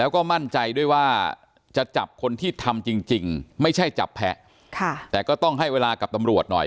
คนที่ทำจริงไม่ใช่จับแพ้แต่ก็ต้องให้เวลากับตำรวจหน่อย